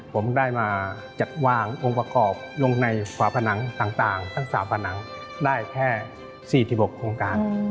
ผมได้มาจัดวางองค์ประกอบลงในฝาผนังต่างทั้ง๓ผนังได้แค่๔๖โครงการ